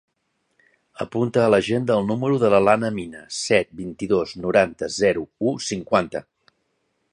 Apunta a l'agenda el número de l'Alana Mina: set, vint-i-dos, noranta, zero, u, cinquanta.